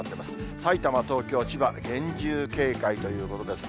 さいたま、東京、千葉、厳重警戒ということですね。